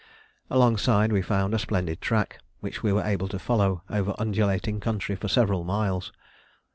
Alongside we found a splendid track, which we were able to follow over undulating country for several miles.